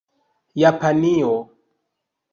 Japanio